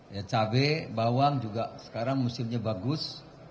ya cabai bawang juga sekarang musimnya bagus